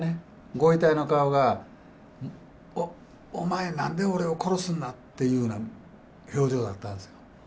ご遺体の顔が「おお前何で俺を殺すんな」っていうような表情だったんですよ。